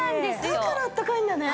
だからあったかいんだね。